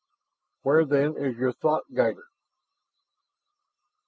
"Where then is your thoughtguider?"